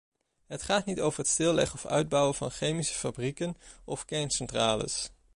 Het gaat niet over het stilleggen of uitbouwen van chemische fabrieken of kerncentrales.